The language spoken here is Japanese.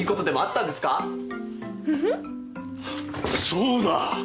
そうだ！